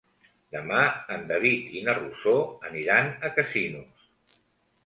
Demà en David i na Rosó aniran a Casinos.